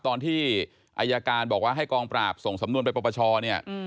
ตอนที่อายการบอกว่าให้กองปราบส่งสำนวนไปปปชเนี่ย